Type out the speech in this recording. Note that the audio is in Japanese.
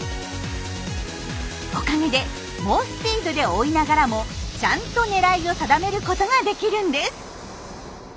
おかげで猛スピードで追いながらもちゃんと狙いを定めることができるんです。